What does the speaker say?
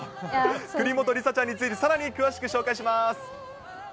国本梨紗ちゃんについて、さらに詳しく紹介します。